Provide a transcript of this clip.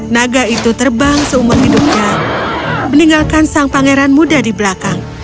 naga itu terbang seumur hidupnya meninggalkan sang pangeran muda di belakang